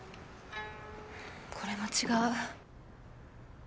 これも違う。